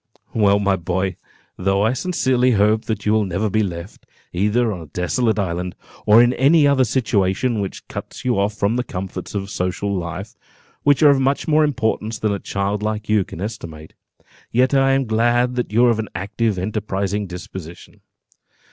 "Well, my boy, though I sincerely hope that you will never be left, either on a desolate island, or in any other situation which cuts you off from the comforts of social life, which are of much more importance than a child like you can estimate, yet I am glad that you are of an active, enterprising disposition.